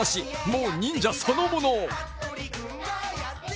もう忍者そのもの。